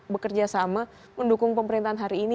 bekerja sama mendukung pemerintahan hari ini